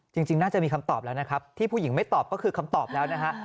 จริงน่าจะมีคำตอบแล้วนะครับที่ผู้หญิงไม่ตอบก็คือคำตอบแล้วนะฮะ